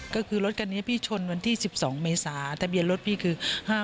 ก็คือรถคันนี้พี่ชนวันที่๑๒เมษาทะเบียนรถพี่คือ๕๗